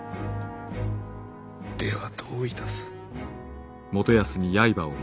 ではどういたす。